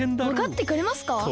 わかってくれますか？